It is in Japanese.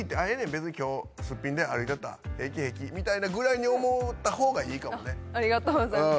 別に今日すっぴんで歩いちゃった平気平気みたいなぐらいに思うたほうがいいかもねありがとうございます